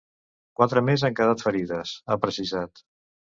Quatre més han quedat ferides, ha precisat.